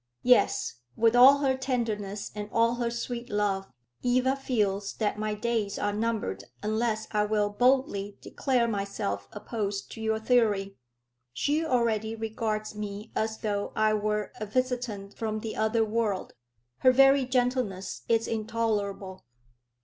"Yes; with all her tenderness and all her sweet love, Eva feels that my days are numbered unless I will boldly declare myself opposed to your theory. She already regards me as though I were a visitant from the other world. Her very gentleness is intolerable."